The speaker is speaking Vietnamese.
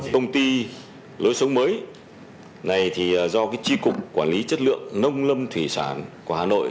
công ty lối sống mới này thì do tri cục quản lý chất lượng nông lâm thủy sản của hà nội